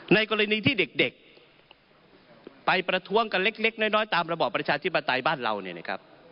ในกรณีที่เด็กไปประท้วงกันเล็กน้อยตามระบอบประชาธิปไตยบ้านเราเนี่ยนะครับ